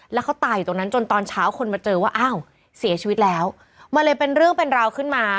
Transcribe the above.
แล้วเขาตายอยู่ตรงนั้นจนตอนเช้าคนมาเจอว่าอ้าวเสียชีวิตแล้วมันเลยเป็นเรื่องเป็นราวขึ้นมา